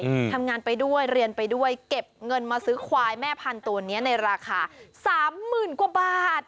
อืมทำงานไปด้วยเรียนไปด้วยเก็บเงินมาซื้อควายแม่พันธุ์ตัวเนี้ยในราคาสามหมื่นกว่าบาท